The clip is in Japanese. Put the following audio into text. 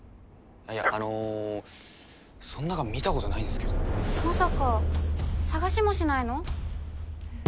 いやあのそんな缶見たことないんですけどまさか探しもしないの？